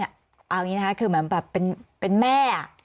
เอาอย่างนี้นะคะคือเหมือนแบบเป็นแม่